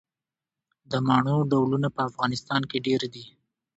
د مڼو ډولونه په افغانستان کې ډیر دي.